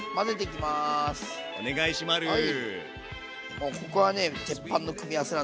もうここはね鉄板の組み合わせなんで。